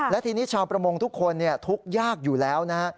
และทีนี้ชาวประมงทุกคนทุกข์ยากอยู่แล้วนะฮะ